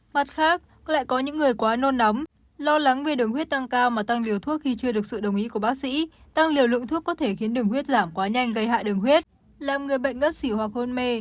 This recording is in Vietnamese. mặt khác lại có những người quá nôn nóng lo lắng về đường huyết tăng cao mà tăng liều thuốc khi chưa được sự đồng ý của bác sĩ tăng liều lượng thuốc có thể khiến đường huyết giảm quá nhanh gây hại đường huyết làm người bệnh ngất xỉu hoặc hôn mê